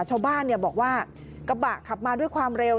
ชาวบ้านบอกว่ากระบะขับมาด้วยความเร็ว